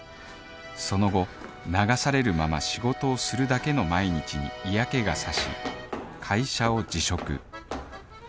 その後流されるまま仕事をするだけの毎日に嫌気がさし会社を辞職